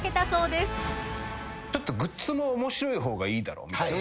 グッズも面白い方がいいだろうみたいな。